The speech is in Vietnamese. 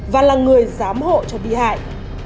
và là người giám hộ cho bị hại